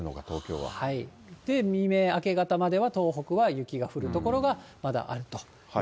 はい、未明、明け方までは東北は雪が降る所がまだあるという